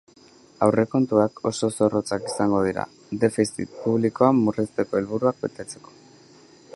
Aurrekontuak oso zorrotzak izango dira, defizit publikoa murrizteko helburuak betetzeko.